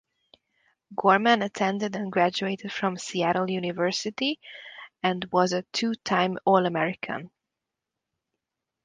Gorman attended and graduated from Seattle University and was a two time All-American.